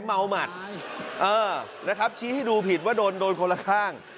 เมาหมัดเออนะครับชี้ให้ดูผิดว่าโดนโดนคนละข้าง